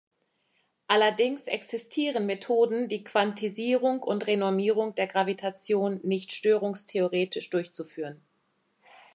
Allerdings existieren Methoden, die Quantisierung und Renormierung der Gravitation nicht-störungstheoretisch durchzuführen.